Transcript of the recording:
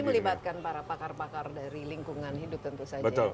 dan ini melibatkan para pakar pakar dari lingkungan hidup tentu saja